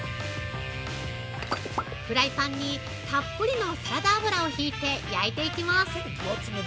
フライパンにたっぷりのサラダ油をひいて焼いていきます。